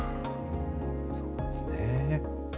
そうですね。